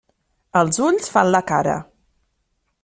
Els ulls fan la cara.